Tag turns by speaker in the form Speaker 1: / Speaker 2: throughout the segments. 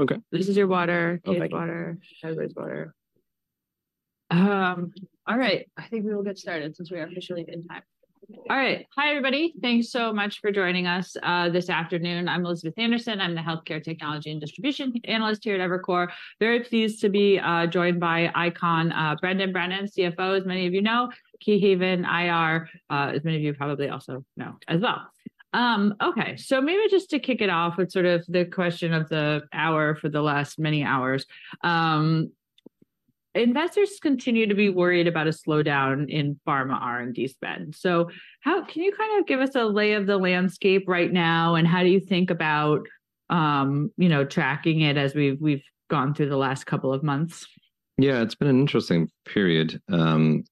Speaker 1: Okay, this is your water, Keith's water, everybody's water. All right, I think we will get started since we areofficially in time. All right. Hi, everybody. Thanks so much for joining us this afternoon. I'm Elizabeth Anderson. I'm the Healthcare Technology and Distribution Analyst here at Evercore. Very pleased to be joined by ICON, Brendan Brennan, CFO, as many of you know, Kate Haven IR, as many of you probably also know as well. Okay, so maybe just to kick it off with sort of the question of the hour for the last many hours. Investors continue to be worried about a slowdown in pharma R&D spend. So how can you kind of give us a lay of the landscape right now, and how do you think about, you know, tracking it as we've gone through the last couple of months?
Speaker 2: Yeah, it's been an interesting period.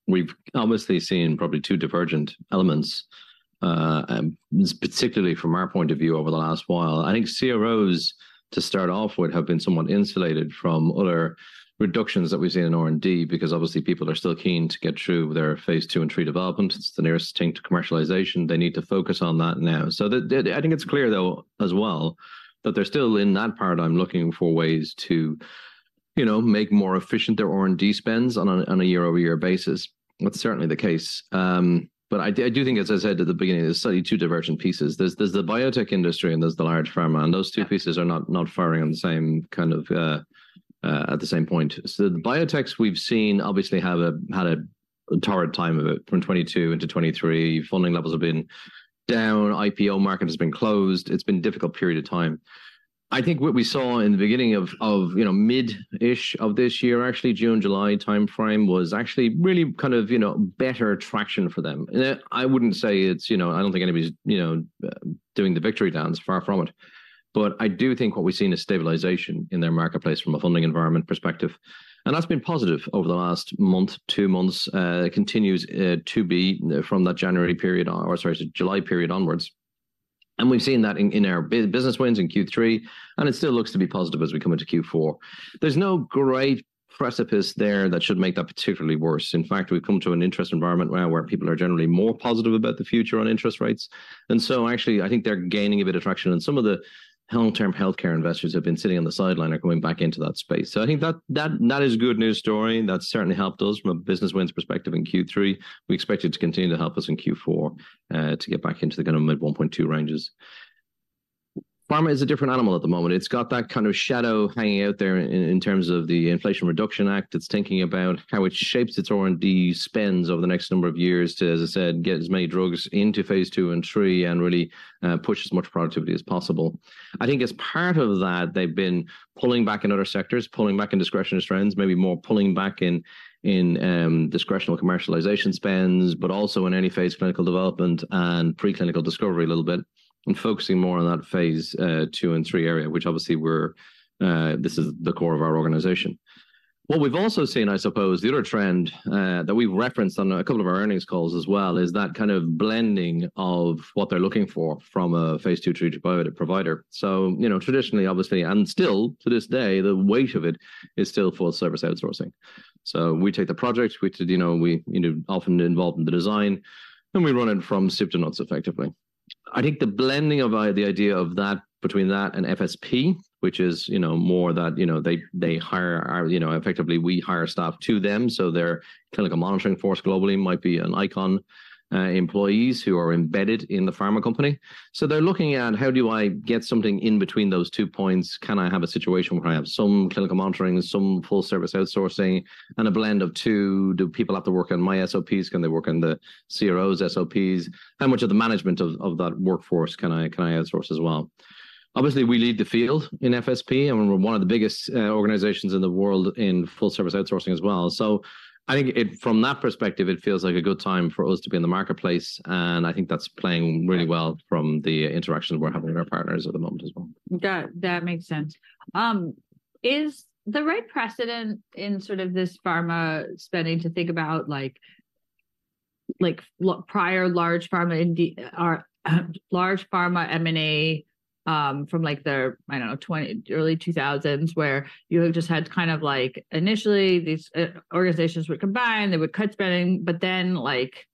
Speaker 2: We've obviously seen probably two divergent elements, and particularly from our point of view over the last while. I think CROs, to start off with, have been somewhat insulated from other reductions that we've seen in R&D, because obviously people are still keen to get through their Phase II and III development. It's the nearest thing to commercialization. They need to focus on that now. I think it's clear, though, as well, that they're still in that paradigm, looking for ways to, you know, make more efficient their R&D spends on a year-over-year basis. That's certainly the case. But I do, I do think, as I said at the beginning, there's certainly two divergent pieces. There's the biotech industry and there's the large pharma, and those two-
Speaker 1: Yeah...
Speaker 2: pieces are not firing on the same kind of at the same point. So the biotechs we've seen obviously have had a torrid time of it. From 2022 into 2023, funding levels have been down, IPO market has been closed. It's been difficult period of time. I think what we saw in the beginning of, you know, mid-ish of this year, actually, June, July timeframe, was actually really kind of, you know, better traction for them. I wouldn't say it's, you know, I don't think anybody's, you know, doing the victory dance, far from it. But I do think what we've seen is stabilization in their marketplace from a funding environment perspective, and that's been positive over the last month, two months, continues to be from that January period or, sorry, to July period onwards. And we've seen that in our business wins in Q3, and it still looks to be positive as we come into Q4. There's no great precipice there that should make that particularly worse. In fact, we've come to an interest environment where people are generally more positive about the future on interest rates. And so actually, I think they're gaining a bit of traction. And some of the long-term healthcare investors have been sitting on the sideline are going back into that space. So I think that is a good news story. That's certainly helped us from a business wins perspective in Q3. We expect it to continue to help us in Q4 to get back into the kind of mid-1.2 ranges. Pharma is a different animal at the moment. It's got that kind of shadow hanging out there in terms of the Inflation Reduction Act. It's thinking about how it shapes its R&D spends over the next number of years to, as I said, get as many drugs into Phase II and III and really push as much productivity as possible. I think as part of that, they've been pulling back in other sectors, pulling back in discretionary trends, maybe more pulling back in discretionary commercialization spends, but also in any phase clinical development and preclinical discovery a little bit, and focusing more on that Phase II and III area, which obviously we're. This is the core of our organization. What we've also seen, I suppose, the other trend, that we've referenced on a couple of our earnings calls as well, is that kind of blending of what they're looking for from a Phase II, III biotech provider. So, you know, traditionally, obviously, and still to this day, the weight of it is still full service outsourcing. So we take the project, we, you know, we, you know, often involved in the design, and we run it from soup to nuts effectively. I think the blending of the idea of that between that and FSP, which is, you know, more that, you know, they, they hire our—you know, effectively, we hire staff to them, so their clinical monitoring force globally might be an ICON employees who are embedded in the pharma company. So they're looking at: How do I get something in between those two points? Can I have a situation where I have some clinical monitoring, some full service outsourcing, and a blend of two? Do people have to work on my SOPs? Can they work on the CRO's SOPs? How much of the management of that workforce can I outsource as well? Obviously, we lead the field in FSP, and we're one of the biggest organizations in the world in full service outsourcing as well. So I think it from that perspective, it feels like a good time for us to be in the marketplace, and I think that's playing really well from the interactions we're having with our partners at the moment as well.
Speaker 1: Got it. That makes sense. Is the right precedent in sort of this pharma spending to think about, like, prior large pharma in the large pharma M&A from like the, I don't know, early 2000s, where you have just had kind of like initially these organizations would combine, they would cut spending, but then like,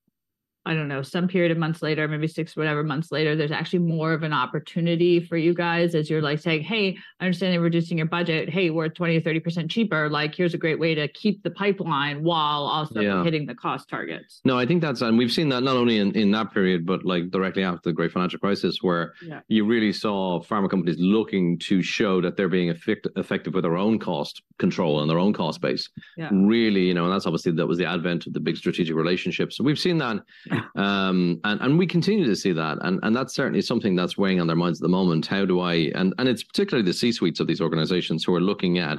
Speaker 1: I don't know, some period of months later, maybe 6, whatever months later, there's actually more of an opportunity for you guys as you're like saying, "Hey, I understand you're reducing your budget. Hey, we're 20%-30% cheaper. Like, here's a great way to keep the pipeline while also-
Speaker 2: Yeah...
Speaker 1: hitting the cost targets.
Speaker 2: No, I think that's, and we've seen that not only in that period, but like directly after the Great Financial Crisis, where-
Speaker 1: Yeah...
Speaker 2: you really saw pharma companies looking to show that they're being effective with their own cost control and their own cost base.
Speaker 1: Yeah.
Speaker 2: Really, you know, and that's obviously, that was the advent of the big strategic relationships. So we've seen that-
Speaker 1: Yeah...
Speaker 2: and we continue to see that. That's certainly something that's weighing on their minds at the moment. How do I—it's particularly the C-suites of these organizations who are looking at: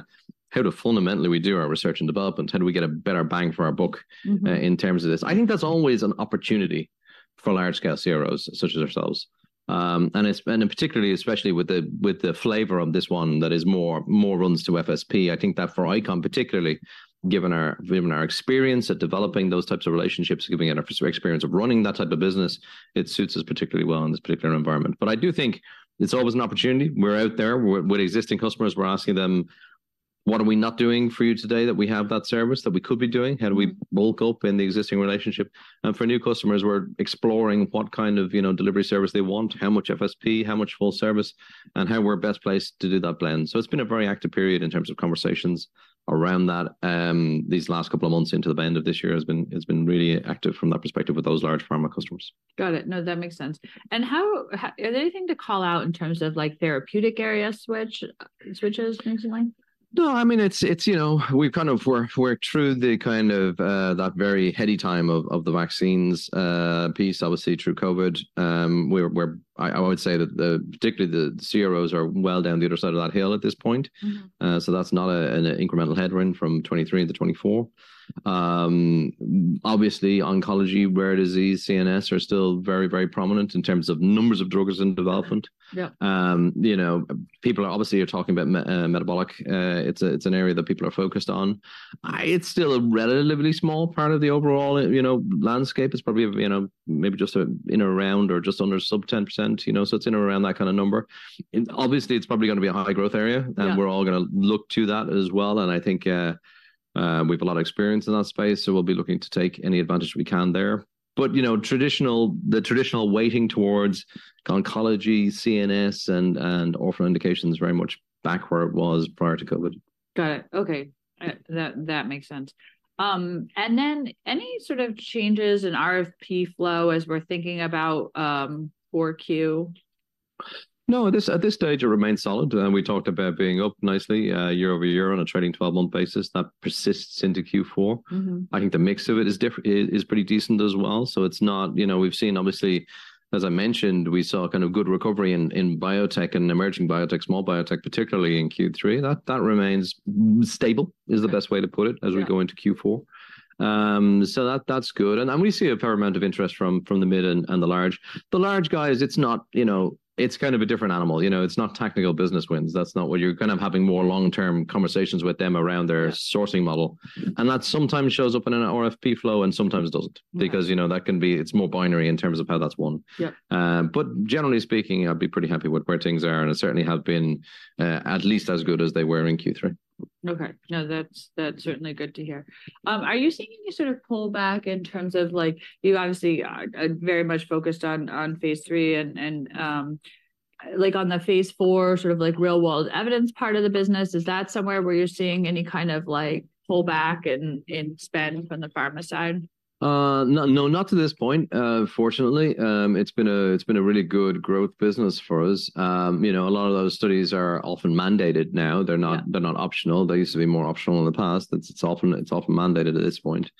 Speaker 2: How do fundamentally we do our research and development? How do we get a better bang for our buck-
Speaker 1: Mm-hmm...
Speaker 2: in terms of this? I think that's always an opportunity for large-scale CROs, such as ourselves. And it's, and particularly, especially with the flavor of this one that is more runs to FSP, I think that for ICON, particularly, given our experience at developing those types of relationships, given our experience of running that type of business, it suits us particularly well in this particular environment. But I do think it's always an opportunity. We're out there with existing customers. We're asking them - What are we not doing for you today that we have that service that we could be doing? How do we bulk up in the existing relationship? And for new customers, we're exploring what kind of, you know, delivery service they want, how much FSP, how much full service, and how we're best placed to do that blend. It's been a very active period in terms of conversations around that. These last couple of months into the end of this year, it's been really active from that perspective with those large pharma customers.
Speaker 1: Got it. No, that makes sense. And how are there anything to call out in terms of, like, therapeutic area switch, switches, maybe?
Speaker 2: No, I mean, it's, you know, we've kind of worked through the kind of that very heady time of the vaccines piece, obviously through COVID. We're. I would say that, particularly the CROs are well down the other side of that hill at this point.
Speaker 1: Mm-hmm.
Speaker 2: So that's not an incremental headwind from 2023 to 2024. Obviously, oncology, rare disease, CNS are still very, very prominent in terms of numbers of drugs in development.
Speaker 1: Yeah.
Speaker 2: You know, people are obviously you're talking about metabolic. It's an area that people are focused on. It's still a relatively small part of the overall, you know, landscape. It's probably, you know, maybe just, you know, around or just under sub-10%, you know, so it's in around that kind of number. And obviously, it's probably gonna be a high-growth area.
Speaker 1: Yeah...
Speaker 2: and we're all gonna look to that as well, and I think, we've a lot of experience in that space, so we'll be looking to take any advantage we can there. But, you know, the traditional weighting towards oncology, CNS, and orphan indications is very much back where it was prior to COVID.
Speaker 1: Got it. Okay. That makes sense. And then any sort of changes in RFP flow as we're thinking about Q4?
Speaker 2: No, at this stage it remains solid, and we talked about being up nicely, year-over-year on a trailing twelve-month basis. That persists into Q4.
Speaker 1: Mm-hmm.
Speaker 2: I think the mix of it is different – is pretty decent as well, so it's not... You know, we've seen obviously, as I mentioned, we saw a kind of good recovery in biotech and emerging biotech, small biotech, particularly in Q3. That remains stable, is the best way to put it-
Speaker 1: Yeah...
Speaker 2: as we go into Q4. So that's good, and we see a fair amount of interest from the mid and the large. The large guys, it's not, you know, it's kind of a different animal. You know, it's not tactical business wins. That's not what... You're kind of having more long-term conversations with them around their-
Speaker 1: Yeah...
Speaker 2: sourcing model, and that sometimes shows up in an RFP flow and sometimes doesn't-
Speaker 1: Yeah...
Speaker 2: because, you know, that can be. It's more binary in terms of how that's won.
Speaker 1: Yeah.
Speaker 2: But generally speaking, I'd be pretty happy with where things are, and they certainly have been at least as good as they were in Q3.
Speaker 1: Okay. No, that's, that's certainly good to hear. Are you seeing any sort of pullback in terms of, like, you obviously are very much focused on Phase III, and like, on the Phase IV, sort of like real-world evidence part of the business, is that somewhere where you're seeing any kind of, like, pullback in spend from the pharma side?
Speaker 2: No, no, not to this point, fortunately. It's been a really good growth business for us. You know, a lot of those studies are often mandated now.
Speaker 1: Yeah.
Speaker 2: They're not optional. They used to be more optional in the past. It's often mandated at this point.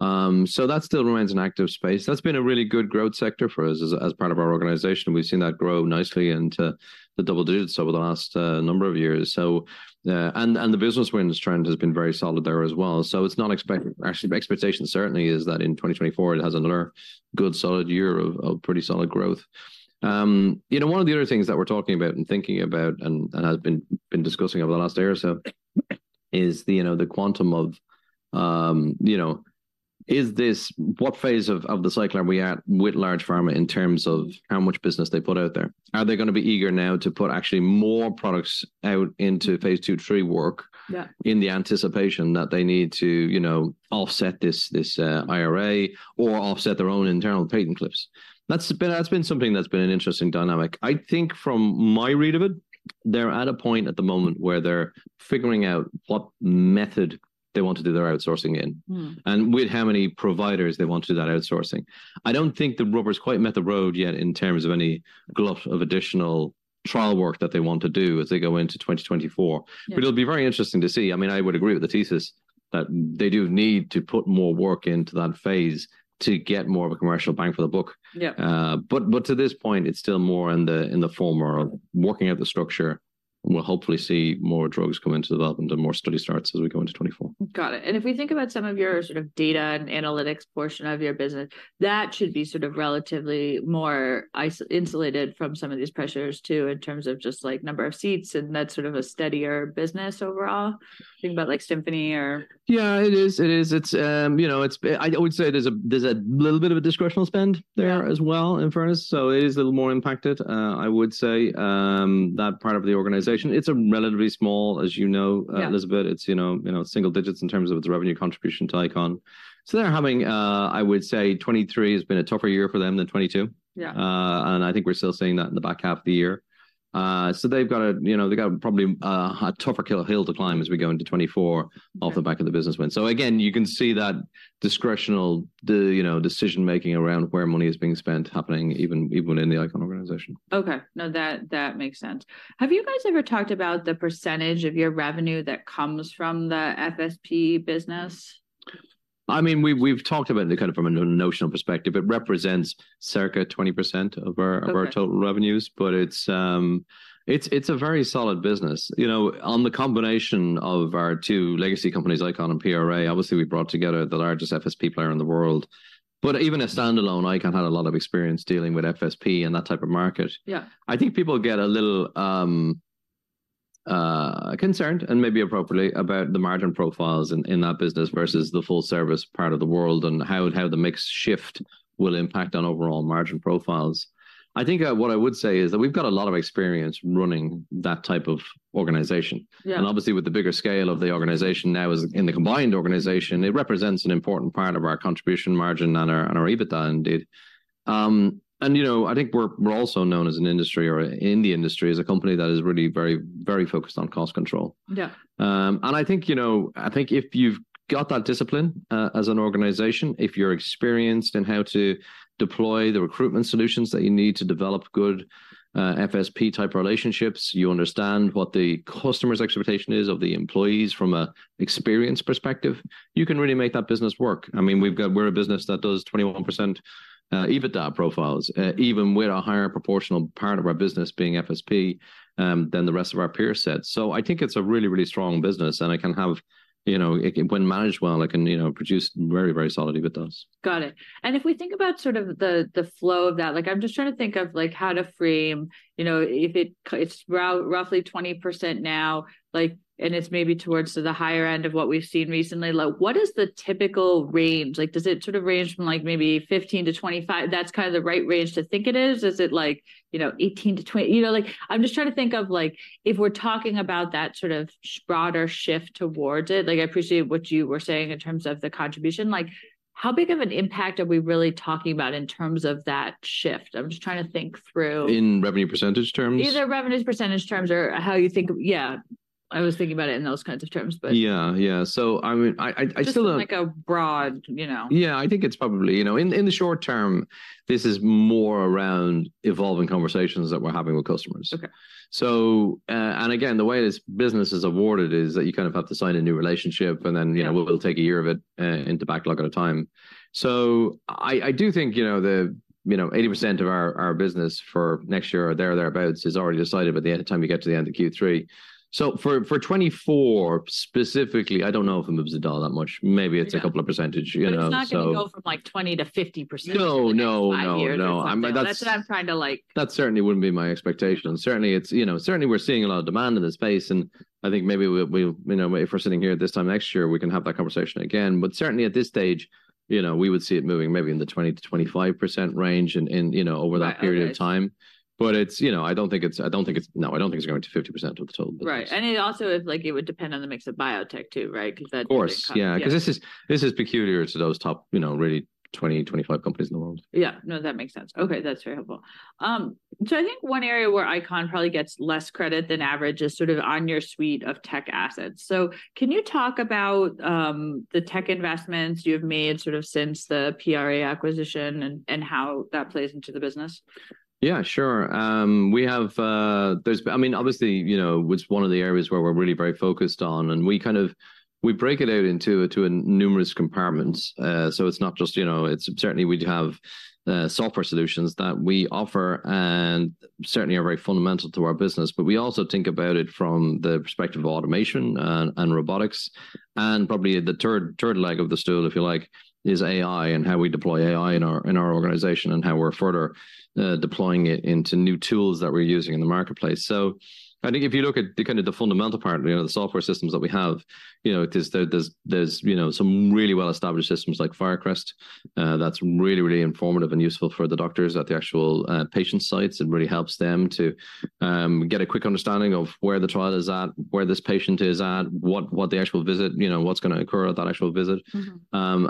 Speaker 2: So that still remains an active space. That's been a really good growth sector for us as part of our organization. We've seen that grow nicely into the double digits over the last number of years. So, and the business wins trend has been very solid there as well. So it's not expected, actually, my expectation certainly is that in 2024, it has another good, solid year of pretty solid growth. You know, one of the other things that we're talking about and thinking about and have been discussing over the last year or so is the, you know, the quantum of, you know, is this—what phase of the cycle are we at with large pharma in terms of how much business they put out there? Are they gonna be eager now to put actually more products out into Phase II, III work-
Speaker 1: Yeah...
Speaker 2: in the anticipation that they need to, you know, offset this, this, IRA or offset their own internal patent cliffs? That's been, that's been something that's been an interesting dynamic. I think from my read of it, they're at a point at the moment where they're figuring out what method they want to do their outsourcing in-
Speaker 1: Mm...
Speaker 2: and with how many providers they want to do that outsourcing. I don't think the rubber's quite met the road yet in terms of any glut of additional trial work that they want to do as they go into 2024.
Speaker 1: Yeah.
Speaker 2: But it'll be very interesting to see. I mean, I would agree with the thesis, that they do need to put more work into that phase to get more of a commercial bang for the buck.
Speaker 1: Yeah.
Speaker 2: But to this point, it's still more in the former of working out the structure, and we'll hopefully see more drugs come into development and more study starts as we go into 2024.
Speaker 1: Got it. And if we think about some of your sort of data and analytics portion of your business, that should be sort of relatively more insulated from some of these pressures, too, in terms of just, like, number of seats, and that's sort of a steadier business overall. Thinking about, like, Symphony or-
Speaker 2: Yeah, it is. It is. It's, you know, it's been, I would say there's a, there's a little bit of a discretionary spend there-
Speaker 1: Yeah...
Speaker 2: as well, in fairness, so it is a little more impacted, I would say, that part of the organization. It's a relatively small, as you know,
Speaker 1: Yeah...
Speaker 2: Elizabeth, it's, you know, you know, single digits in terms of its revenue contribution to Icon. So they're having, I would say 2023 has been a tougher year for them than 2022.
Speaker 1: Yeah.
Speaker 2: I think we're still seeing that in the back half of the year. So, you know, they've got probably a tougher hill to climb as we go into 2024-
Speaker 1: Yeah...
Speaker 2: off the back of the business win. So again, you can see that discretionary, you know, decision-making around where money is being spent happening even in the ICON organization.
Speaker 1: Okay. No, that, that makes sense. Have you guys ever talked about the percentage of your revenue that comes from the FSP business?
Speaker 2: I mean, we've talked about it kind of from a notional perspective. It represents circa 20% of our-
Speaker 1: Okay...
Speaker 2: of our total revenues, but it's, it's a very solid business. You know, on the combination of our two legacy companies, ICON and PRA, obviously we brought together the largest FSP player in the world. But even as standalone, ICON had a lot of experience dealing with FSP and that type of market.
Speaker 1: Yeah.
Speaker 2: I think people get a little concerned and maybe appropriately about the margin profiles in that business versus the full service part of the world, and how the mix shift will impact on overall margin profiles. I think what I would say is that we've got a lot of experience running that type of organization.
Speaker 1: Yeah.
Speaker 2: Obviously, with the bigger scale of the organization now as in the combined organization, it represents an important part of our contribution margin and our, and our EBITDA indeed. You know, I think we're, we're also known as an industry or in the industry as a company that is really very, very focused on cost control.
Speaker 1: Yeah.
Speaker 2: And I think, you know, I think if you've got that discipline as an organization, if you're experienced in how to deploy the recruitment solutions that you need to develop good FSP-type relationships, you understand what the customer's expectation is of the employees from a experience perspective, you can really make that business work. I mean, we're a business that does 21% EBITDA profiles, even with a higher proportional part of our business being FSP, than the rest of our peer set. So I think it's a really, really strong business, and it can have, you know, when managed well, it can, you know, produce very, very solid EBITDAs.
Speaker 1: Got it. And if we think about sort of the flow of that, like I'm just trying to think of like how to frame, you know, if it's roughly 20% now, like, and it's maybe towards the higher end of what we've seen recently. Like, what is the typical range? Like, does it sort of range from like maybe 15%-25%? That's kind of the right range to think it is. Is it like, you know, 18-20... You know, like, I'm just trying to think of, like, if we're talking about that sort of broader shift towards it, like, I appreciate what you were saying in terms of the contribution. Like, how big of an impact are we really talking about in terms of that shift? I'm just trying to think through.
Speaker 2: In revenue percentage terms?
Speaker 1: Either revenue percentage terms or how you think - Yeah. I was thinking about it in those kinds of terms, but-
Speaker 2: Yeah, yeah. So I mean, I still don't-
Speaker 1: Just like a broad, you know?
Speaker 2: Yeah, I think it's probably, you know, in the short term, this is more around evolving conversations that we're having with customers.
Speaker 1: Okay.
Speaker 2: So, and again, the way this business is awarded is that you kind of have to sign a new relationship, and then, you know-
Speaker 1: Yeah...
Speaker 2: we'll take a year of it into backlog at a time. So I, I do think, you know, the, you know, 80% of our, our business for next year or there or thereabouts is already decided by the end time you get to the end of Q3. So for, for 2024, specifically, I don't know if it moves the dial that much. Maybe it's-
Speaker 1: Yeah...
Speaker 2: a couple of percentage, you know, so.
Speaker 1: But it's not gonna go from like 20%-50%.
Speaker 2: No, no, no, no....
Speaker 1: in the next five years.
Speaker 2: I'm, like, that's-
Speaker 1: That's what I'm trying to like-
Speaker 2: That certainly wouldn't be my expectation, and certainly it's, you know, certainly we're seeing a lot of demand in the space, and I think maybe we, you know, if we're sitting here this time next year, we can have that conversation again. But certainly at this stage, you know, we would see it moving maybe in the 20%-25% range in, you know, over that-
Speaker 1: Okay...
Speaker 2: period of time. But it's, you know, I don't think it's, I don't think it's... No, I don't think it's going to 50% of the total business.
Speaker 1: Right. It also is like it would depend on the mix of biotech too, right? 'Cause that-
Speaker 2: Of course.
Speaker 1: Yeah.
Speaker 2: Yeah, 'cause this is, this is peculiar to those top, you know, really 20-25 companies in the world.
Speaker 1: Yeah. No, that makes sense. Okay, that's very helpful. So I think one area where ICON probably gets less credit than average is sort of on your suite of tech assets. So can you talk about the tech investments you've made sort of since the PRA acquisition and, and how that plays into the business?
Speaker 2: Yeah, sure. We have. I mean, obviously, you know, it's one of the areas where we're really very focused on, and we kind of break it out into numerous compartments. So it's not just, you know, it's certainly we'd have software solutions that we offer and certainly are very fundamental to our business, but we also think about it from the perspective of automation and robotics. And probably the third leg of the stool, if you like, is AI and how we deploy AI in our organization, and how we're further deploying it into new tools that we're using in the marketplace. So I think if you look at the kind of the fundamental part, you know, the software systems that we have, you know, there's some really well-established systems like Firecrest, that's really, really informative and useful for the doctors at the actual patient sites. It really helps them to get a quick understanding of where the trial is at, where this patient is at, what the actual visit, you know, what's gonna occur at that actual visit.
Speaker 1: Mm-hmm.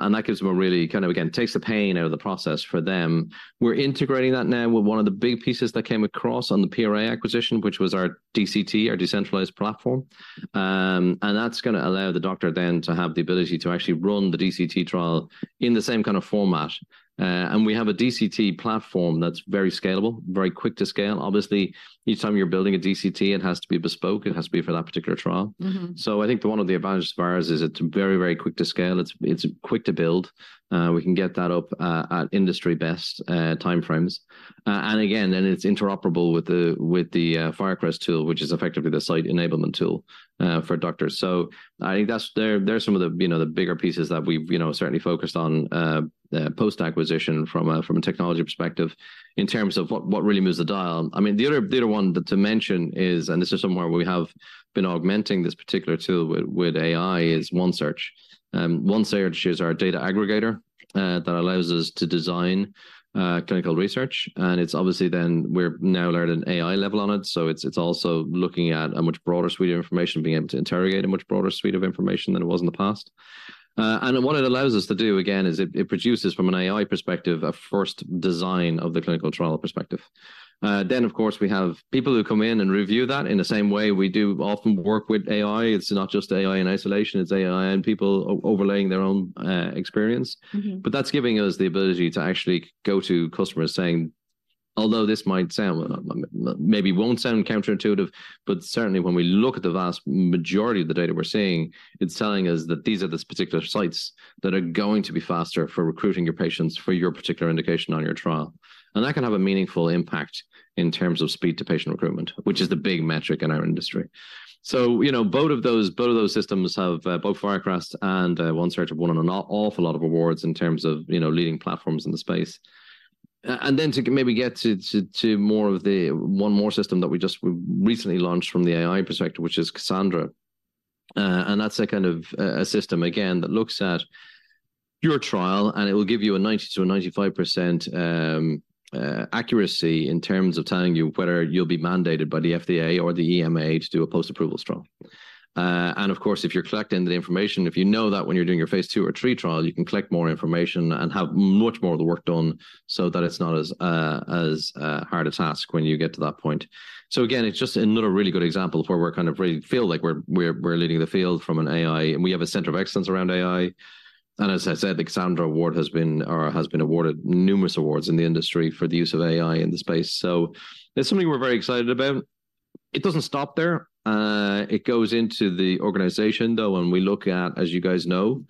Speaker 2: And that gives them a really, kind of, again, takes the pain out of the process for them. We're integrating that now with one of the big pieces that came across on the PRA acquisition, which was our DCT, our decentralized platform. And that's gonna allow the doctor then to have the ability to actually run the DCT trial in the same kind of format. And we have a DCT platform that's very scalable, very quick to scale. Obviously, each time you're building a DCT, it has to be bespoke. It has to be for that particular trial.
Speaker 1: Mm-hmm.
Speaker 2: So I think one of the advantages of ours is it's very, very quick to scale. It's quick to build. We can get that up at industry best time frames. And again, and it's interoperable with the Firecrest tool, which is effectively the site enablement tool for doctors. So I think that's there are some of the, you know, the bigger pieces that we've, you know, certainly focused on post-acquisition from a technology perspective in terms of what really moves the dial. I mean, the other one to mention is, and this is somewhere we have been augmenting this particular tool with AI, is One Search. One Search is our data aggregator, that allows us to design clinical research, and it's obviously, then we're now layering an AI level on it, so it's, it's also looking at a much broader suite of information, being able to interrogate a much broader suite of information than it was in the past. And what it allows us to do, again, is it, it produces from an AI perspective, a first design of the clinical trial perspective. Then, of course, we have people who come in and review that in the same way we do often work with AI. It's not just AI in isolation, it's AI and people overlaying their own experience.
Speaker 1: Mm-hmm.
Speaker 2: But that's giving us the ability to actually go to customers saying, although this might sound, maybe won't sound counterintuitive, but certainly when we look at the vast majority of the data we're seeing, it's telling us that these are the particular sites that are going to be faster for recruiting your patients for your particular indication on your trial. And that can have a meaningful impact in terms of speed to patient recruitment, which is the big metric in our industry. So, you know, both of those systems have, both Firecrest and One Search have won an awful lot of awards in terms of, you know, leading platforms in the space. And then to maybe get to one more system that we just recently launched from the AI perspective, which is Cassandra. And that's a kind of a system, again, that looks at your trial, and it will give you a 90%-95% accuracy in terms of telling you whether you'll be mandated by the FDA or the EMA to do a post-approval trial. And of course, if you're collecting the information, if you know that when you're doing your Phase 2 or 3 trial, you can collect more information and have much more of the work done so that it's not as hard a task when you get to that point. So again, it's just another really good example of where we're kind of really feel like we're leading the field from an AI, and we have a center of excellence around AI. As I said, the Cassandra award has been, or has been awarded numerous awards in the industry for the use of AI in the space. So it's something we're very excited about. It doesn't stop there. It goes into the organization, though, and we look at, as you guys know,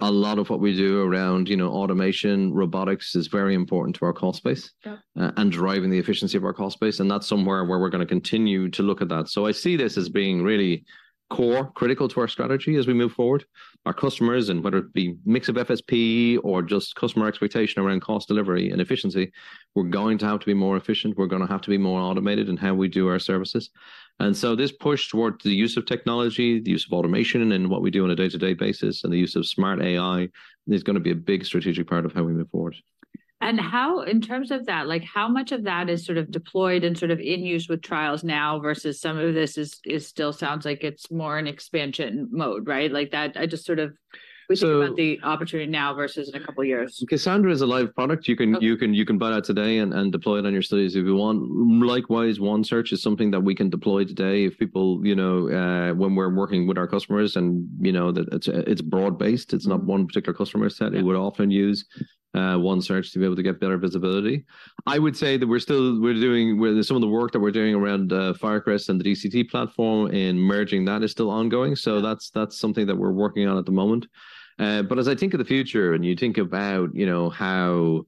Speaker 2: a lot of what we do around, you know, automation, robotics, is very important to our core space-
Speaker 1: Yeah....
Speaker 2: and driving the efficiency of our core space, and that's somewhere where we're gonna continue to look at that. So I see this as being really core critical to our strategy as we move forward. Our customers, and whether it be mix of FSP or just customer expectation around cost delivery and efficiency, we're going to have to be more efficient. We're gonna have to be more automated in how we do our services. And so this push towards the use of technology, the use of automation in what we do on a day-to-day basis, and the use of smart AI, is gonna be a big strategic part of how we move forward.
Speaker 1: How, in terms of that, like, how much of that is sort of deployed and sort of in use with trials now versus some of this is still sounds like it's more in expansion mode, right? Like, that... I just sort of-
Speaker 2: So-
Speaker 1: Thinking about the opportunity now versus in a couple of years.
Speaker 2: Cassandra is a live product.
Speaker 1: Okay.
Speaker 2: You can buy that today and deploy it on your studies if you want. Likewise, One Search is something that we can deploy today if people, you know, when we're working with our customers, and, you know, that it's, it's broad-based, it's not one particular customer set-
Speaker 1: Yeah...
Speaker 2: who would often use One Search to be able to get better visibility. I would say that we're still doing where some of the work that we're doing around Firecrest and the DCT platform in merging that is still ongoing.
Speaker 1: Yeah.
Speaker 2: So that's, that's something that we're working on at the moment. But as I think of the future, and you think about, you know, how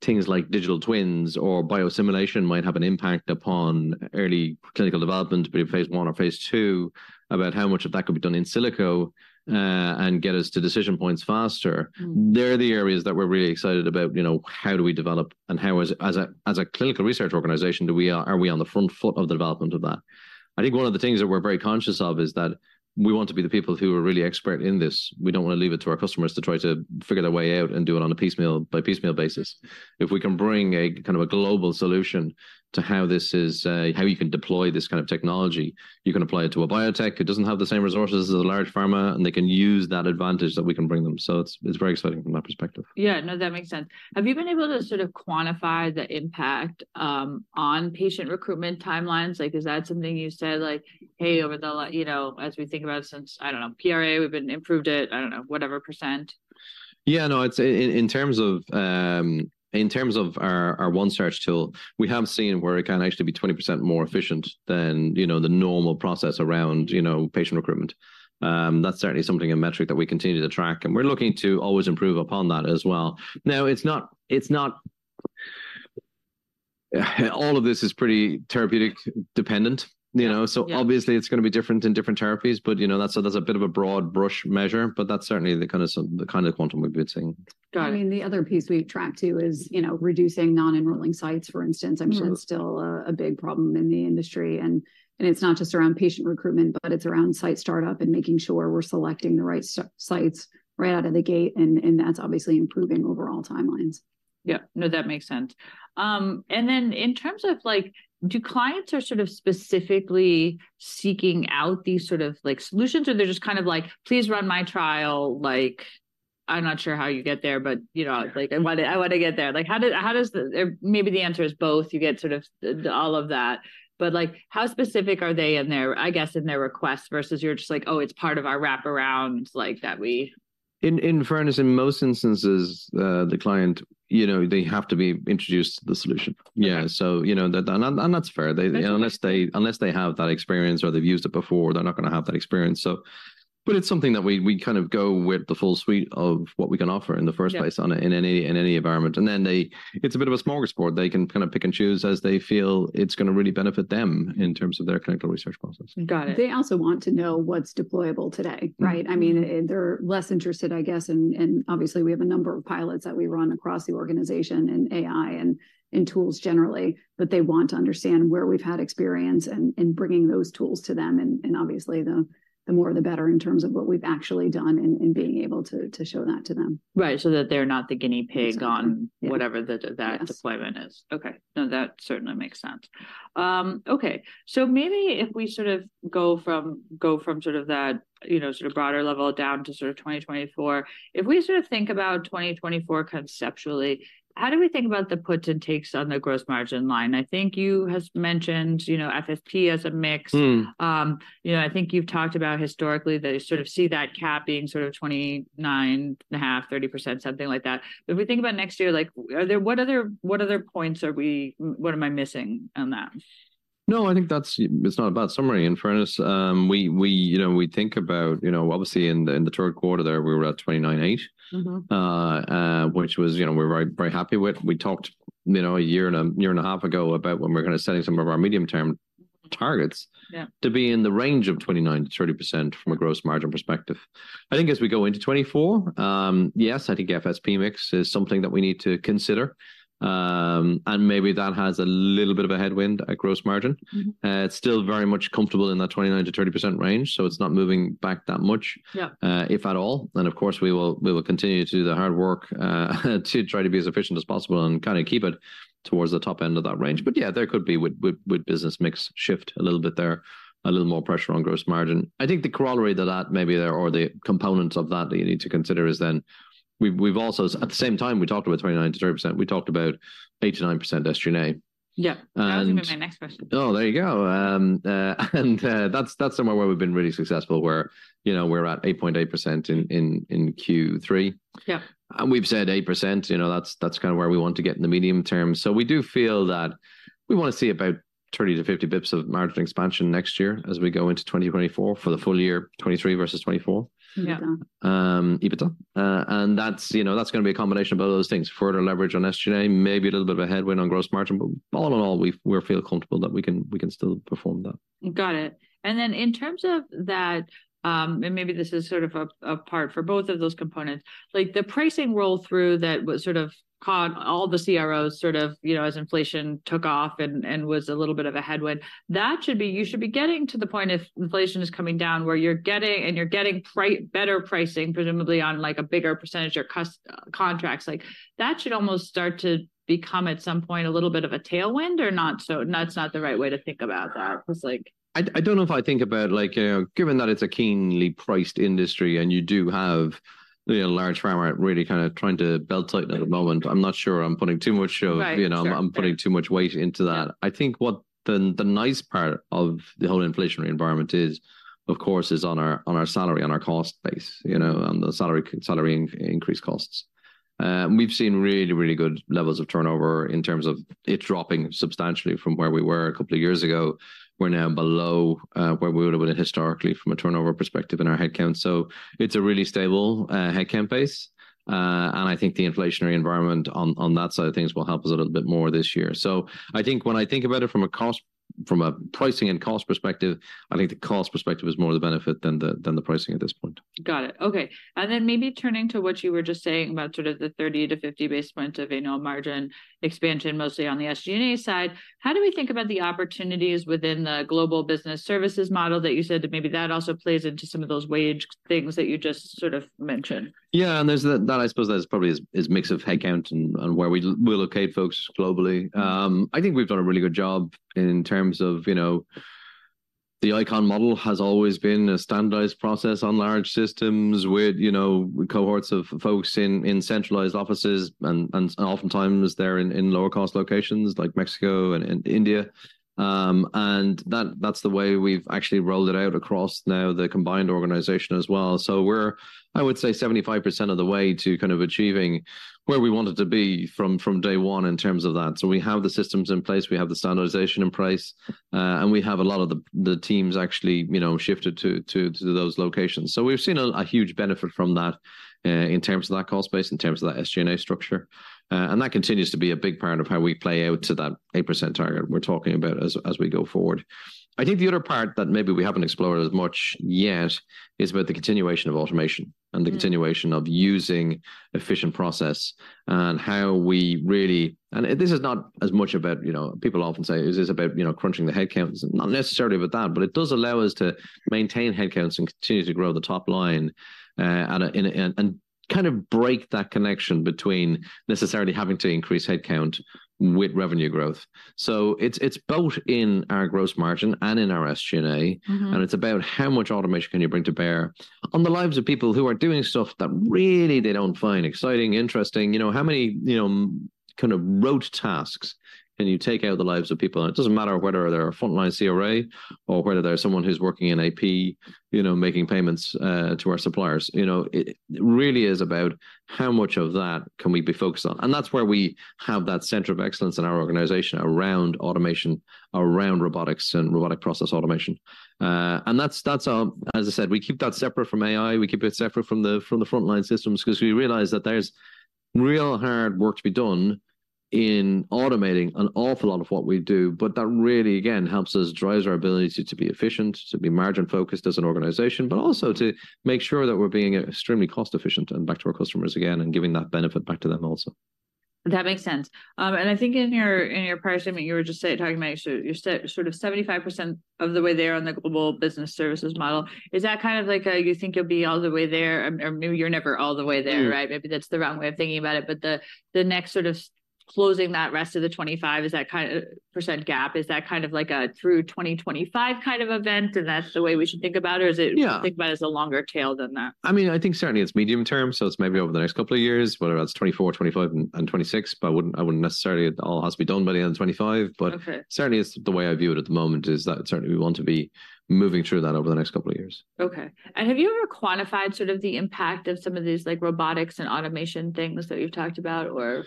Speaker 2: things like digital twins or biosimulation might have an impact upon early clinical development, be it Phase I or Phase II, about how much of that could be done in silico, and get us to decision points faster-
Speaker 1: Mm.
Speaker 2: They're the areas that we're really excited about, you know, how do we develop and how, as a clinical research organization, do we—are we on the front foot of the development of that? I think one of the things that we're very conscious of is that we want to be the people who are really expert in this. We don't want to leave it to our customers to try to figure their way out and do it on a piecemeal-by-piecemeal basis. If we can bring a kind of a global solution to how this is, how you can deploy this kind of technology, you can apply it to a biotech that doesn't have the same resources as a large pharma, and they can use that advantage that we can bring them. So it's very exciting from that perspective.
Speaker 1: Yeah. No, that makes sense. Have you been able to sort of quantify the impact on patient recruitment timelines? Like, is that something you said, like, "Hey, over the you know, as we think about since, I don't know, PRA, we've been improved it, I don't know, whatever %?
Speaker 2: Yeah, no, it's in terms of our One Search tool, we have seen where it can actually be 20% more efficient than, you know, the normal process around, you know, patient recruitment. That's certainly something, a metric that we continue to track, and we're looking to always improve upon that as well. Now, it's not all of this is pretty therapeutic-dependent-
Speaker 1: Yeah.
Speaker 2: you know?
Speaker 1: Yeah.
Speaker 2: So obviously, it's gonna be different in different therapies, but, you know, that's, so there's a bit of a broad brush measure, but that's certainly the kind of quantum we've been seeing.
Speaker 1: Got it.
Speaker 3: I mean, the other piece we track, too, is, you know, reducing non-enrolling sites, for instance-
Speaker 1: Mm...
Speaker 3: I'm sure it's still a big problem in the industry. And it's not just around patient recruitment, but it's around site start-up and making sure we're selecting the right sites right out of the gate, and that's obviously improving overall timelines.
Speaker 1: Yeah. No, that makes sense. And then in terms of, like, do clients are sort of specifically seeking out these sort of, like, solutions? Or they're just kind of like, "Please run my trial," like, "I'm not sure how you get there, but, you know, like-
Speaker 2: Yeah...
Speaker 1: I wanna, I wanna get there?" Like, how did, how does the- maybe the answer is both, you get sort of the, the all of that. But, like, how specific are they in their, I guess, in their request, versus you're just like, "Oh, it's part of our wraparound, like, that we...
Speaker 2: In fairness, in most instances, the client, you know, they have to be introduced to the solution.
Speaker 1: Yeah.
Speaker 2: Yeah, so you know, that, and that's fair. They-
Speaker 1: Yeah...
Speaker 2: unless they have that experience or they've used it before, they're not gonna have that experience, so. But it's something that we kind of go with the full suite of what we can offer in the first place-
Speaker 1: Yeah
Speaker 2: ...on in any environment. And then it's a bit of a smorgasbord. They can kind of pick and choose as they feel it's gonna really benefit them in terms of their clinical research process.
Speaker 1: Got it.
Speaker 3: They also want to know what's deployable today-
Speaker 2: Mm...
Speaker 3: right? I mean, they're less interested, I guess, and obviously, we have a number of pilots that we run across the organization in AI and tools generally, but they want to understand where we've had experience in bringing those tools to them. And obviously, the more, the better in terms of what we've actually done and being able to show that to them.
Speaker 1: Right, so that they're not the guinea pig on-
Speaker 3: Exactly...
Speaker 1: whatever the-
Speaker 3: Yes...
Speaker 1: that deployment is. Okay. No, that certainly makes sense. Okay, so maybe if we sort of go from sort of that, you know, sort of broader level down to sort of 2024. If we sort of think about 2024 conceptually, how do we think about the puts and takes on the gross margin line? I think you has mentioned, you know, FSP as a mix.
Speaker 2: Mm.
Speaker 1: You know, I think you've talked about historically that you sort of see that capping sort of 29.5%-30%, something like that. If we think about next year, like, are there... What other points... what am I missing on that?
Speaker 2: No, I think that's, it's not a bad summary. In fairness, we, you know, we think about, you know, obviously in the third quarter there, we were at 29.8-
Speaker 1: Mm-hmm...
Speaker 2: which was, you know, we're very, very happy with. We talked, you know, a year and a half ago about when we're gonna be selling some of our medium-term targets-
Speaker 1: Yeah
Speaker 2: -to be in the range of 29%-30% from a gross margin perspective. I think as we go into 2024, yes, I think FSP mix is something that we need to consider. And maybe that has a little bit of a headwind at gross margin.
Speaker 1: Mm-hmm.
Speaker 2: It's still very much comfortable in that 29%-30% range, so it's not moving back that much-
Speaker 1: Yeah...
Speaker 2: if at all. Then, of course, we will, we will continue to do the hard work to try to be as efficient as possible and kinda keep it towards the top end of that range. But, yeah, there could be with business mix shift a little bit there, a little more pressure on gross margin. I think the corollary to that maybe there or the components of that that you need to consider is then we've also... At the same time we talked about 29%-30%, we talked about 8%-9% SG&A.
Speaker 1: Yeah.
Speaker 2: And-
Speaker 1: That was gonna be my next question.
Speaker 2: Oh, there you go. That's, that's somewhere where we've been really successful, where, you know, we're at 8.8% in Q3.
Speaker 1: Yeah.
Speaker 2: We've said 8%, you know, that's, that's kinda where we want to get in the medium term. We do feel that we wanna see about 30-50 basis points of margin expansion next year as we go into 2024 for the full year, 2023 versus 2024.
Speaker 1: Yeah.
Speaker 2: EBITDA. And that's, you know, that's gonna be a combination of all those things. Further leverage on SG&A, maybe a little bit of a headwind on gross margin, but all in all, we feel comfortable that we can still perform that.
Speaker 1: Got it. And then in terms of that, and maybe this is sort of a part for both of those components, like the pricing roll-through that was sort of caught all the CROs, sort of, you know, as inflation took off and was a little bit of a headwind. That should be... You should be getting to the point if inflation is coming down, where you're getting, and you're getting better pricing, presumably on, like, a bigger percentage or contracts. Like, that should almost start to become at some point a little bit of a tailwind or not so... That's not the right way to think about that? 'Cause like-
Speaker 2: I don't know if I think about, like, given that it's a keenly priced industry and you do have, you know, large pharma really kinda trying to belt tighten at the moment, I'm not sure I'm putting too much of-
Speaker 1: Right. Fair...
Speaker 2: you know, I'm putting too much weight into that. I think what the nice part of the whole inflationary environment is, of course, is on our salary, on our cost base, you know, on the salary increase costs. We've seen really, really good levels of turnover in terms of it dropping substantially from where we were a couple of years ago. We're now below where we would've been historically from a turnover perspective in our headcount. So it's a really stable headcount base. And I think the inflationary environment on that side of things will help us a little bit more this year. So I think when I think about it from a cost from a pricing and cost perspective, I think the cost perspective is more the benefit than the pricing at this point.
Speaker 1: Got it. Okay. And then maybe turning to what you were just saying about sort of the 30-50 basis points of annual margin expansion, mostly on the SG&A side, how do we think about the opportunities within the global business services model that you said that maybe that also plays into some of those wage things that you just sort of mentioned?
Speaker 2: Yeah, and there's that. I suppose that's probably a mix of headcount and where we locate folks globally. I think we've done a really good job in terms of, you know... The ICON model has always been a standardized process on large systems with, you know, cohorts of folks in centralized offices and oftentimes they're in lower cost locations like Mexico and India. And that's the way we've actually rolled it out across the combined organization as well. So we're, I would say, 75% of the way to kind of achieving where we wanted to be from day one in terms of that. So we have the systems in place, we have the standardization in place, and we have a lot of the teams actually, you know, shifted to those locations. So we've seen a huge benefit from that in terms of that cost base, in terms of that SG&A structure. And that continues to be a big part of how we play out to that 8% target we're talking about as we go forward. I think the other part that maybe we haven't explored as much yet is about the continuation of automation-
Speaker 1: Mm...
Speaker 2: and the continuation of using efficient process and how we really... This is not as much about, you know, people often say, "Is this about, you know, crunching the headcounts?" Not necessarily about that, but it does allow us to maintain headcounts and continue to grow the top line and kind of break that connection between necessarily having to increase headcount with revenue growth. So it's both in our gross margin and in our SG&A.
Speaker 1: Mm-hmm.
Speaker 2: And it's about how much automation can you bring to bear on the lives of people who are doing stuff that really they don't find exciting, interesting. You know, how many, you know, kind of rote tasks can you take out the lives of people? And it doesn't matter whether they're a frontline CRA or whether they're someone who's working in AP, you know, making payments to our suppliers. You know, it, it really is about how much of that can we be focused on? And that's where we have that center of excellence in our organization, around automation, around robotics, and robotic process automation. And that's, as I said, we keep that separate from AI, we keep it separate from the, from the frontline systems, 'cause we realize that there's real hard work to be done in automating an awful lot of what we do. But that really, again, helps us drive our ability to be efficient, to be margin-focused as an organization, but also to make sure that we're being extremely cost-efficient and back to our customers again and giving that benefit back to them also.
Speaker 1: That makes sense. And I think in your, in your prior statement, you were just saying, talking about you're sort of 75% of the way there on the global business services model. Is that kind of like, you think you'll be all the way there, or, or maybe you're never all the way there?
Speaker 2: Mm.
Speaker 1: Right. Maybe that's the wrong way of thinking about it, but the next sort of closing that rest of the 25% gap, is that kind of like a through 2025 kind of event, and that's the way we should think about it?
Speaker 2: Yeah.
Speaker 1: Or is it, think about it as a longer tail than that?
Speaker 2: I mean, I think certainly it's medium term, so it's maybe over the next couple of years, whether that's 2024, 2025, and 2026. But I wouldn't necessarily it all has to be done by the end of 2025.
Speaker 1: Okay.
Speaker 2: Certainly it's the way I view it at the moment, is that certainly we want to be moving through that over the next couple of years.
Speaker 1: Okay. And have you ever quantified sort of the impact of some of these, like, robotics and automation things that you've talked about, or?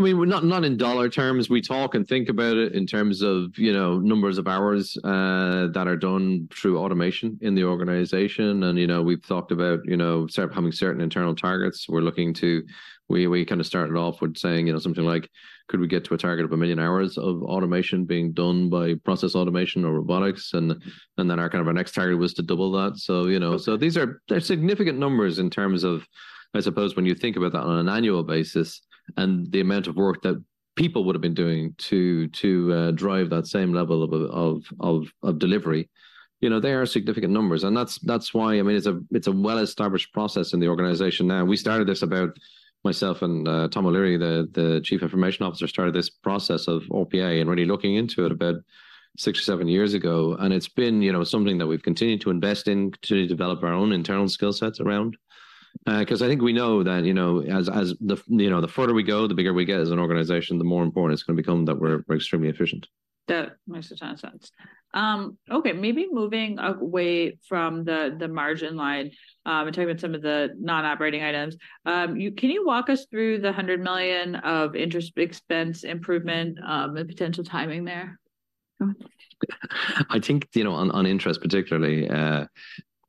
Speaker 2: I mean, we're not, not in dollar terms. We talk and think about it in terms of, you know, numbers of hours that are done through automation in the organization, and, you know, we've talked about, you know, start having certain internal targets. We're looking to we kind of started off with saying, you know, something like, "Could we get to a target of 1 million hours of automation being done by process automation or robotics?" And then our kind of our next target was to double that. So, you know, so these are they're significant numbers in terms of, I suppose, when you think about that on an annual basis and the amount of work that people would've been doing to drive that same level of delivery. You know, they are significant numbers, and that's, that's why, I mean, it's a, it's a well-established process in the organization now. We started this about... Myself and Tom O'Leary, the Chief Information Officer, started this process of RPA and really looking into it about six or seven years ago, and it's been, you know, something that we've continued to invest in to develop our own internal skill sets around. 'Cause I think we know that, you know, as, as the, you know, the further we go, the bigger we get as an organization, the more important it's gonna become that we're, we're extremely efficient.
Speaker 1: That makes a ton of sense. Okay, maybe moving away from the, the margin line, and talking about some of the non-operating items. Can you walk us through the $100 million of interest expense improvement, and potential timing there?
Speaker 2: I think, you know, on interest particularly,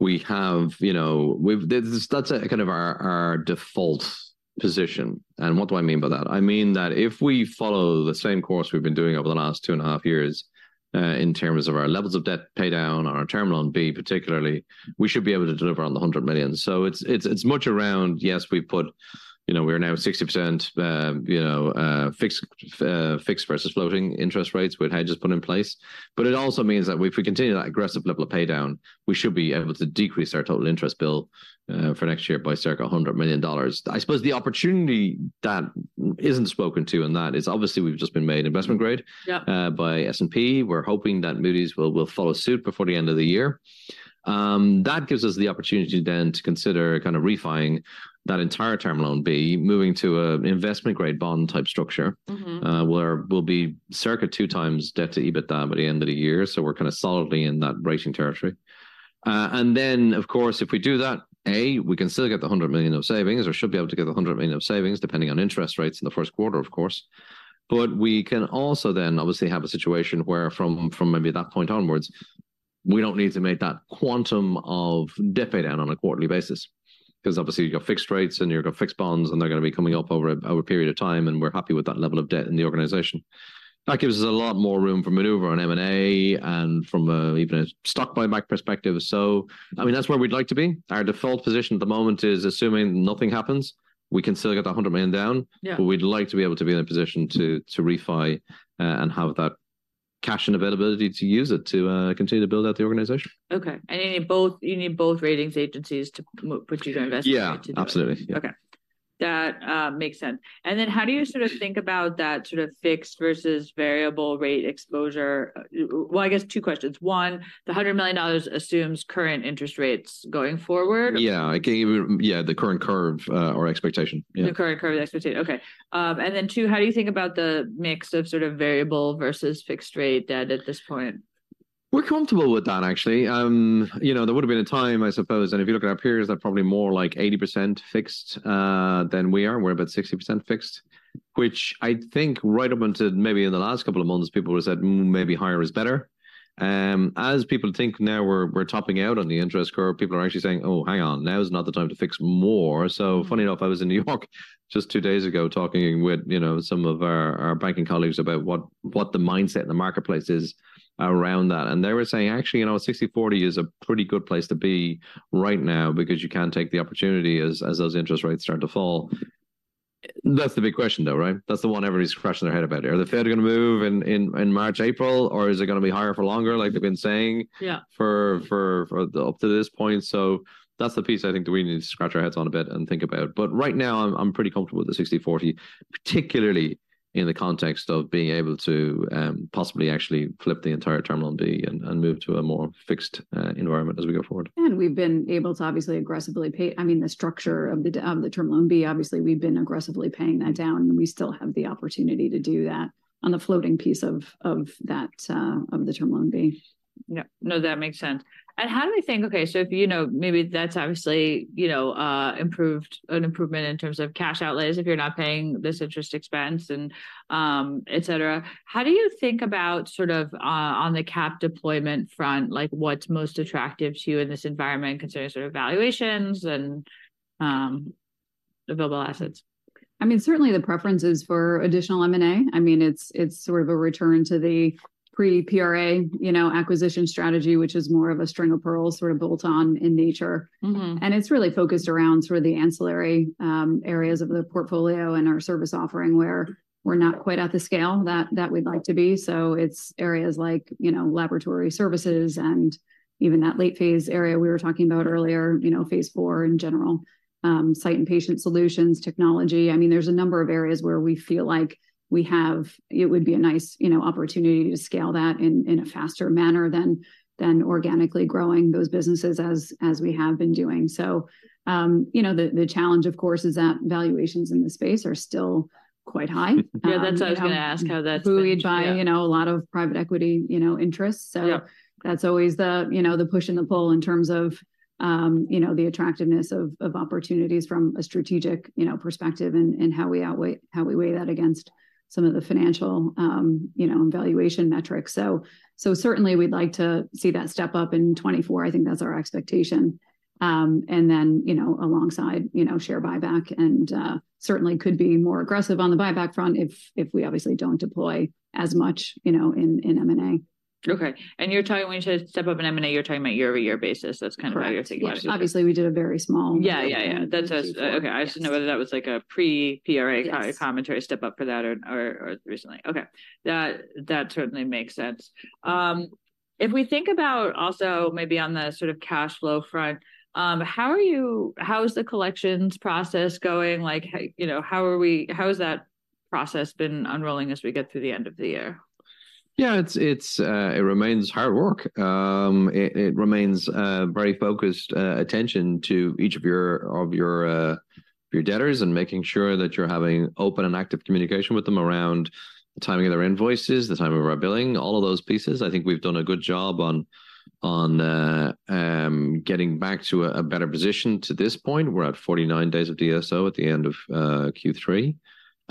Speaker 2: we have, you know, that's a kind of our default position, and what do I mean by that? I mean that if we follow the same course we've been doing over the last two and a half years, in terms of our levels of debt paydown on our Term Loan B particularly, we should be able to deliver on the $100 million. So it's much around, yes, we've put... You know, we're now at 60%, fixed versus floating interest rates with hedges put in place. But it also means that if we continue that aggressive level of paydown, we should be able to decrease our total interest bill for next year by circa $100 million. I suppose the opportunity that isn't spoken to in that is obviously we've just been made investment grade.
Speaker 1: Yeah...
Speaker 2: by S&P. We're hoping that Moody's will follow suit before the end of the year. That gives us the opportunity then to consider kind of refi-ing that entire Term Loan B, moving to an investment-grade bond type structure-
Speaker 1: Mm-hmm...
Speaker 2: where we'll be circa 2x debt-to-EBITDA by the end of the year, so we're kind of solidly in that rating territory. And then, of course, if we do that, A, we can still get the $100 million of savings or should be able to get the $100 million of savings, depending on interest rates in the first quarter, of course. But we can also then obviously have a situation where from maybe that point onwards, we don't need to make that quantum of debt paydown on a quarterly basis. 'Cause obviously, you've got fixed rates, and you've got fixed bonds, and they're gonna be coming up over a period of time, and we're happy with that level of debt in the organization. That gives us a lot more room for maneuver on M&A and from a even a stock buyback perspective. So, I mean, that's where we'd like to be. Our default position at the moment is assuming nothing happens, we can still get the $100 million down.
Speaker 1: Yeah.
Speaker 2: But we'd like to be able to be in a position to refi and have that cash and availability to use it to continue to build out the organization.
Speaker 1: Okay, and you need both, you need both rating agencies to move you to investment grade.
Speaker 2: Yeah, absolutely.
Speaker 1: Okay. That makes sense. And then how do you sort of think about that sort of fixed versus variable rate exposure? Well, I guess two questions. One, the $100 million assumes current interest rates going forward?
Speaker 2: Yeah, I gave you... Yeah, the current curve or expectation, yeah.
Speaker 1: The current curve or expectation, okay. And then two, how do you think about the mix of sort of variable versus fixed rate debt at this point?
Speaker 2: We're comfortable with that actually. You know, there would've been a time, I suppose, and if you look at our peers, they're probably more like 80% fixed than we are. We're about 60% fixed, which I think right up until maybe in the last couple of months, people have said, "Mm, maybe higher is better." As people think now we're, we're topping out on the interest curve, people are actually saying, "Oh, hang on, now is not the time to fix more." So funny enough, I was in New York just 2 days ago, talking with, you know, some of our, our banking colleagues about what, what the mindset in the marketplace is around that. They were saying, "Actually, you know, 60/40 is a pretty good place to be right now because you can take the opportunity as those interest rates start to fall." That's the big question, though, right? That's the one everybody's scratching their head about. Are the Fed gonna move in March, April, or is it gonna be higher for longer, like they've been saying?
Speaker 1: Yeah...
Speaker 2: up to this point? So that's the piece I think that we need to scratch our heads on a bit and think about. But right now, I'm pretty comfortable with the 60/40, particularly in the context of being able to possibly actually flip the entire Term Loan B and move to a more fixed environment as we go forward.
Speaker 3: We've been able to obviously aggressively pay... I mean, the structure of the debt of the Term Loan B, obviously, we've been aggressively paying that down, and we still have the opportunity to do that on the floating piece of that, of the Term Loan B.
Speaker 1: Yeah. No, that makes sense. And how do we think... Okay, so if, you know, maybe that's obviously, you know, improved, an improvement in terms of cash outlays if you're not paying this interest expense and, et cetera. How do you think about sort of, on the cap deployment front, like, what's most attractive to you in this environment considering sort of valuations and, available assets?
Speaker 3: I mean, certainly the preference is for additional M&A. I mean, it's, it's sort of a return to the pre-PRA, you know, acquisition strategy, which is more of a string of pearls sort of bolt-on in nature.
Speaker 1: Mm-hmm.
Speaker 3: It's really focused around sort of the ancillary areas of the portfolio and our service offering, where we're not quite at the scale that we'd like to be. So it's areas like, you know, laboratory services and even that late phase area we were talking about earlier, you know, Phase IV in general, Site and Patient Solutions, technology. I mean, there's a number of areas where we feel like we have... It would be a nice, you know, opportunity to scale that in a faster manner than organically growing those businesses as we have been doing. So, you know, the challenge, of course, is that valuations in the space are still quite high.
Speaker 1: Yeah, that's what I was gonna ask, how that's-
Speaker 3: Who we buy, you know, a lot of private equity, you know, interests.
Speaker 1: Yeah.
Speaker 3: So that's always the, you know, the push and the pull in terms of, you know, the attractiveness of opportunities from a strategic, you know, perspective and how we weigh that against some of the financial, you know, and valuation metrics. So certainly we'd like to see that step up in 2024. I think that's our expectation. And then, you know, alongside, you know, share buyback and certainly could be more aggressive on the buyback front if we obviously don't deploy as much, you know, in M&A.
Speaker 1: Okay. And you're talking when you say step up in M&A, you're talking about year-over-year basis, that's kind of how you're thinking about it?
Speaker 3: Correct. Yes, obviously we did a very small-
Speaker 1: Yeah, yeah, yeah.
Speaker 3: -Yeah.
Speaker 1: That's just... okay.
Speaker 3: Yes.
Speaker 1: I just know whether that was like a pre-PRA-
Speaker 3: Yes...
Speaker 1: commentary step up for that or recently. Okay, that certainly makes sense. If we think about also maybe on the sort of cash flow front, how is the collections process going? Like, how, you know, how has that process been unrolling as we get through the end of the year?
Speaker 2: Yeah, it's hard work. It remains very focused attention to each of your debtors, and making sure that you're having open and active communication with them around the timing of their invoices, the timing of our billing, all of those pieces. I think we've done a good job on getting back to a better position. To this point, we're at 49 days of DSO at the end of Q3.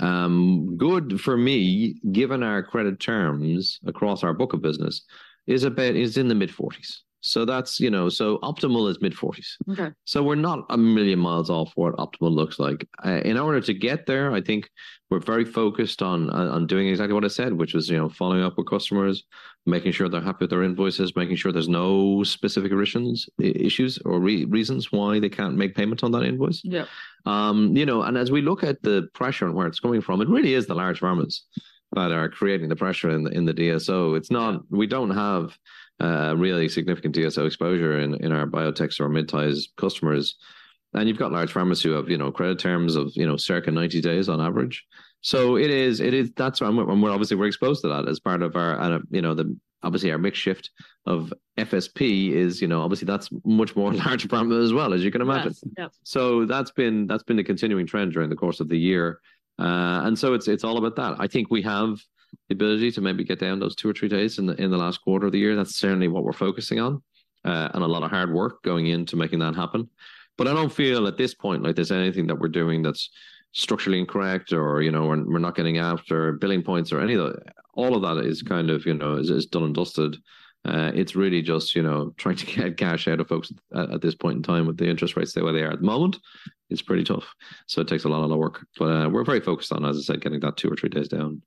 Speaker 2: Good for me, given our credit terms across our book of business, is in the mid-40s. So that's, you know... So optimal is mid-40s.
Speaker 1: Okay.
Speaker 2: So we're not a million miles off what optimal looks like. In order to get there, I think we're very focused on doing exactly what I said, which was, you know, following up with customers, making sure they're happy with their invoices, making sure there's no specific additions, issues, or reasons why they can't make payments on that invoice.
Speaker 1: Yeah.
Speaker 2: You know, as we look at the pressure and where it's coming from, it really is the large pharmas that are creating the pressure in the DSO.
Speaker 1: Yeah.
Speaker 2: It's not-- we don't have really significant DSO exposure in our biotechs or mid-sized customers. And you've got large pharmas who have, you know, credit terms of, you know, circa 90 days on average. So it is-- that's why we're obviously we're exposed to that as part of our, you know, the obviously, our mix shift of FSP is, you know, obviously, that's much more large pharma as well, as you can imagine.
Speaker 1: Yes. Yes.
Speaker 2: So that's been, that's been the continuing trend during the course of the year. And so it's, it's all about that. I think we have the ability to maybe get down those two or three days in the last quarter of the year. That's certainly what we're focusing on, and a lot of hard work going into making that happen. But I don't feel at this point like there's anything that we're doing that's structurally incorrect or, you know, we're not getting after billing points or any of the, all of that is kind of, you know, is done and dusted. It's really just, you know, trying to get cash out of folks at this point in time with the interest rates the way they are at the moment, it's pretty tough. So it takes a lot of work. But, we're very focused on, as I said, getting that 2 or 3 days down.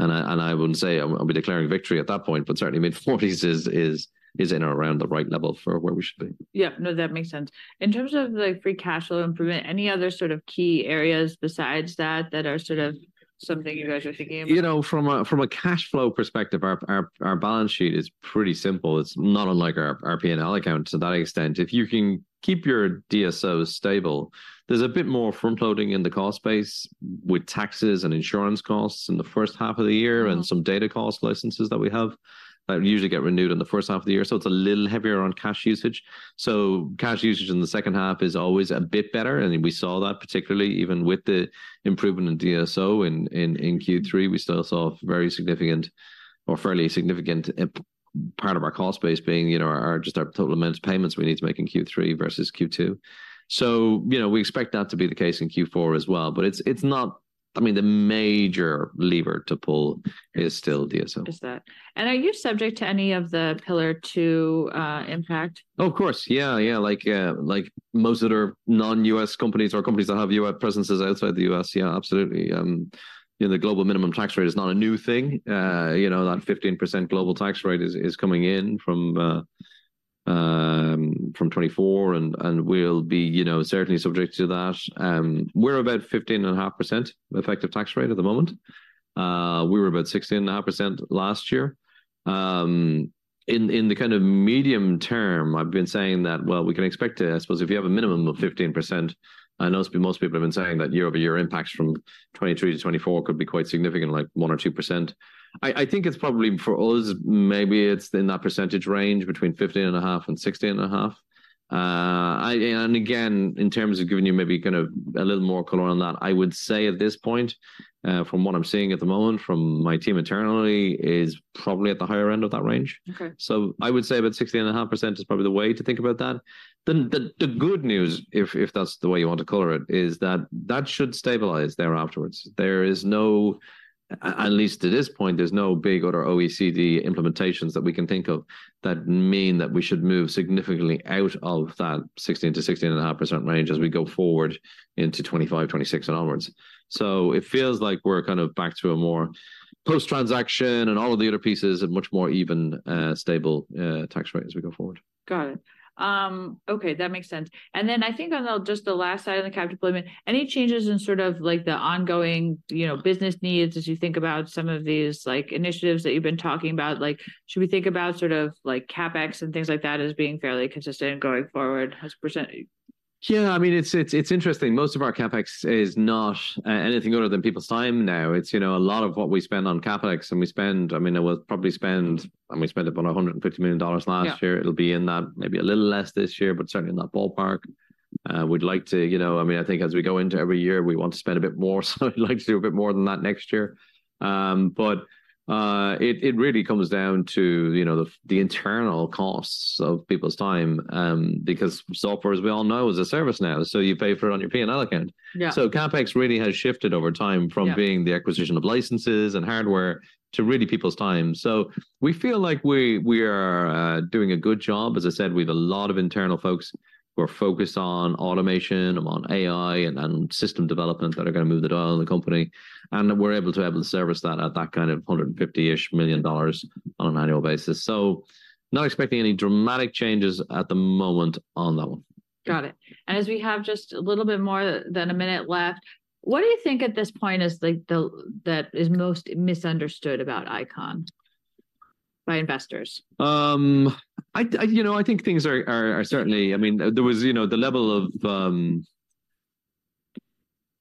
Speaker 2: And I wouldn't say I'll be declaring victory at that point, but certainly mid-40s is in or around the right level for where we should be.
Speaker 1: Yeah. No, that makes sense. In terms of, like, free cash flow improvement, any other sort of key areas besides that, that are sort of something you guys are thinking about?
Speaker 2: You know, from a cash flow perspective, our balance sheet is pretty simple. It's not unlike our P&L account to that extent. If you can keep your DSO stable, there's a bit more front-loading in the cost base with taxes and insurance costs in the first half of the year-
Speaker 1: Mm-hmm...
Speaker 2: and some data cost licenses that we have that usually get renewed in the first half of the year. So it's a little heavier on cash usage. So cash usage in the second half is always a bit better, and we saw that, particularly even with the improvement in DSO in Q3, we still saw very significant or fairly significant part of our cost base being, you know, just our total amount of payments we need to make in Q3 versus Q2. So, you know, we expect that to be the case in Q4 as well, but it's not-- I mean, the major lever to pull is still DSO.
Speaker 1: Just that. And are you subject to any of the Pillar Two impact?
Speaker 2: Of course, yeah, yeah. Like, like most other non-US companies or companies that have US presences outside the US, yeah, absolutely. You know, the global minimum tax rate is not a new thing. You know, that 15% global tax rate is, is coming in from, from 2024 and, and we'll be, you know, certainly subject to that. We're about 15.5% effective tax rate at the moment. We were about 16.5% last year. In, in the kind of medium term, I've been saying that, well, we can expect to... I suppose if you have a minimum of 15%, I know it's been, most people have been saying that year-over-year impacts from 2023 to 2024 could be quite significant, like 1%-2%. I think it's probably for us, maybe it's in that percentage range, between 15.5% and 16.5%. And again, in terms of giving you maybe kind of a little more color on that, I would say at this point, from what I'm seeing at the moment from my team internally, is probably at the higher end of that range.
Speaker 1: Okay.
Speaker 2: So I would say about 16.5% is probably the way to think about that. The good news, if that's the way you want to color it, is that that should stabilize there afterwards. There is no, at least to this point, there's no big other OECD implementations that we can think of that mean that we should move significantly out of that 16%-16.5% range as we go forward into 2025, 2026, and onwards. So it feels like we're kind of back to a more post-transaction and all of the other pieces, a much more even, stable tax rate as we go forward.
Speaker 1: Got it. Okay, that makes sense. And then I think on the, just the last side on the capital deployment, any changes in sort of like the ongoing, you know, business needs as you think about some of these, like, initiatives that you've been talking about? Like, should we think about sort of like CapEx and things like that as being fairly consistent going forward as %?
Speaker 2: Yeah, I mean, it's interesting. Most of our CapEx is not anything other than people's time now. It's, you know, a lot of what we spend on CapEx, and we spend—I mean, we'll probably spend, I mean, we spent about $150 million last year.
Speaker 1: Yeah.
Speaker 2: It'll be in that, maybe a little less this year, but certainly in that ballpark. We'd like to, you know, I mean, I think as we go into every year, we want to spend a bit more, so we'd like to do a bit more than that next year. But it really comes down to, you know, the internal costs of people's time, because software, as we all know, is a service now, so you pay for it on your P&L account.
Speaker 1: Yeah.
Speaker 2: CapEx really has shifted over time.
Speaker 1: Yeah...
Speaker 2: from being the acquisition of licenses and hardware to really people's time. So we feel like we are doing a good job. As I said, we've a lot of internal folks who are focused on automation and on AI and system development that are gonna move the dial in the company, and we're able to service that at that kind of $150-ish million on an annual basis. So not expecting any dramatic changes at the moment on that one.
Speaker 1: Got it. And as we have just a little bit more than a minute left, what do you think at this point is, like, the, that is most misunderstood about ICON by investors?
Speaker 2: You know, I think things are certainly... I mean, there was, you know, the level of...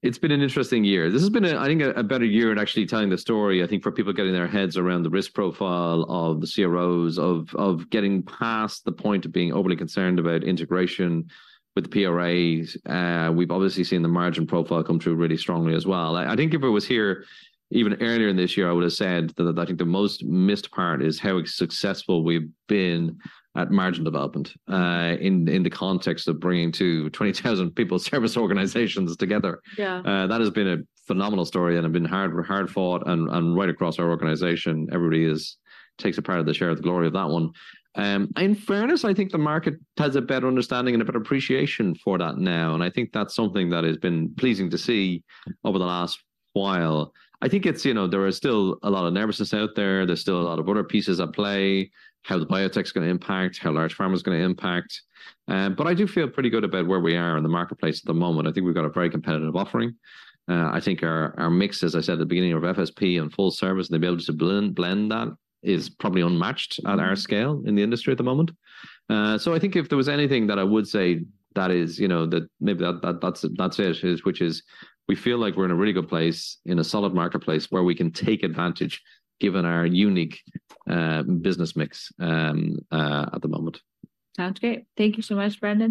Speaker 2: It's been an interesting year. This has been a, I think, a better year at actually telling the story, I think for people getting their heads around the risk profile of the CROs, of getting past the point of being overly concerned about integration with the PRAs. We've obviously seen the margin profile come through really strongly as well. I think if I was here even earlier in this year, I would've said that, I think the most missed part is how successful we've been at margin development, in the context of bringing 2 20,000-person service organizations together.
Speaker 1: Yeah.
Speaker 2: That has been a phenomenal story and have been hard, hard-fought, and right across our organization, everybody takes a part of the share of the glory of that one. In fairness, I think the market has a better understanding and a better appreciation for that now, and I think that's something that has been pleasing to see over the last while. I think it's, you know, there is still a lot of nervousness out there. There's still a lot of other pieces at play, how the biotech's gonna impact, how large pharma's gonna impact. But I do feel pretty good about where we are in the marketplace at the moment. I think we've got a very competitive offering. I think our mix, as I said at the beginning, of FSP and full service, and the ability to blend that, is probably unmatched at our scale in the industry at the moment. So I think if there was anything that I would say, that is, you know, maybe that's it, which is we feel like we're in a really good place, in a solid marketplace, where we can take advantage, given our unique business mix at the moment.
Speaker 1: Sounds great. Thank you so much, Brendan